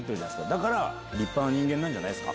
だから立派な人間なんじゃないですか。